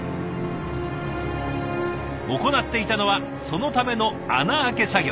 行っていたのはそのための穴開け作業。